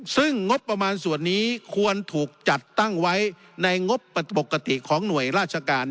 ซึ่งงบประมาณส่วนนี้ควรถูกจัดตั้งไว้ในงบปกติของหน่วยราชการ